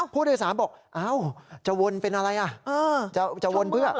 ผู้โดยสารบอกอ้าวจะวนเป็นอะไร